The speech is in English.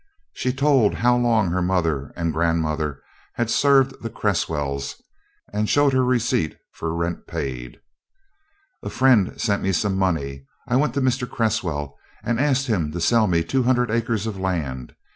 She told how long her mother and grandmother had served the Cresswells and showed her receipt for rent paid. "A friend sent me some money. I went to Mr. Cresswell and asked him to sell me two hundred acres of land.